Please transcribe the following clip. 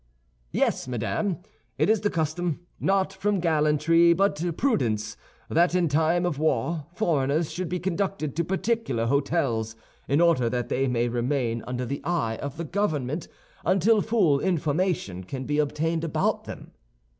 "Yes, madame, it is the custom, not from gallantry but prudence, that in time of war foreigners should be conducted to particular hôtels, in order that they may remain under the eye of the government until full information can be obtained about them."